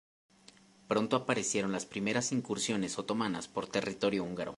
Pronto aparecieron las primeras incursiones otomanas por territorio húngaro.